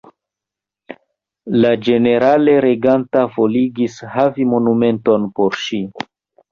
La ĝenerale reganta voligis havi monumenton por ŝi.